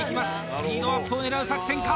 スピードアップを狙う作戦か？